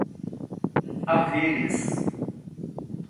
haveres